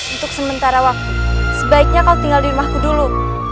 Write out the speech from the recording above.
untuk sementara waktu sebaiknya kau tinggal di rumahku dulu